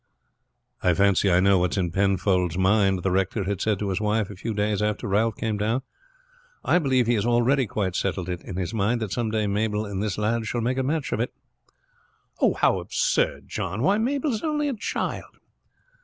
"I fancy I know what is in Penfold's mind," the rector had said to his wife a few days after Ralph came down. "I believe he has already quite settled it in his mind that some day Mabel and this lad shall make a match of it." "How absurd, John. Why, Mabel is only a child."